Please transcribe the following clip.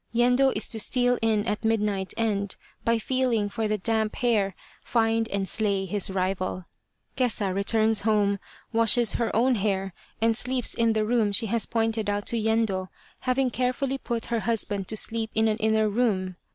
Yendo is to steal in at midnight and, by feeling for the damp hair, find and slay his rival. Kesa returns home, washes her own hair, and sleeps in the room she has pointed out to Yendo, having carefully put her hus band to sleep in an inner room.